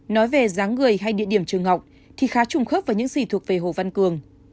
nói về giá người hay địa điểm trường học thì khá trùng khớp vào những gì thuộc về hồ văn cường